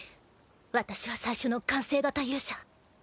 私は最初の完成型勇者。